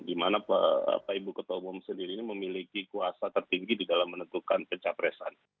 di mana ibu ketua umum sendiri ini memiliki kuasa tertinggi di dalam menentukan pencapresan